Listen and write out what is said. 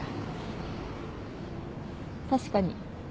確かに。